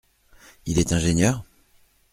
Il est ingénieur ?